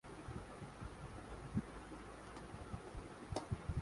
انتخابی ہار پر یہ ایک سیاسی کارکن کا رد عمل تھا۔